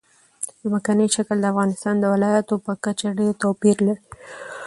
ځمکنی شکل د افغانستان د ولایاتو په کچه ډېر توپیر لري.